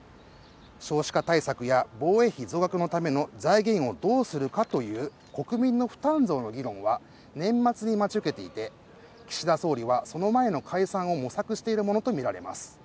少子化対策や防衛費増額のための財源をどうするかという国民の負担増の議論は年末に待ち受けていて、岸田総理はその前の解散を模索しているものとみられます。